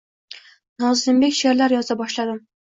Nozimdek she’rlar yoza boshladim.